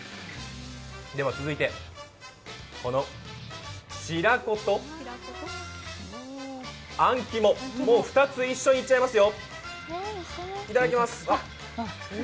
では続いて、この白子とあん肝、２つ一緒にいっちゃいますよ。